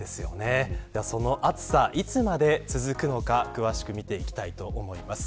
その暑さ、いつまで続くのか詳しく見ていきたいと思います。